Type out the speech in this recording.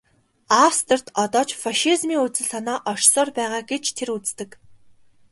Австрид одоо ч фашизмын үзэл санаа оршсоор байгаа гэж тэр үздэг.